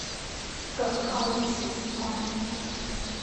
耿浩一时惊呆。